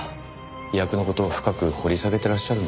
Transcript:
役の事を深く掘り下げてらっしゃるんですね。